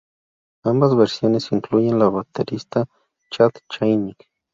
Ambas versiones incluyen al baterista Chad Channing.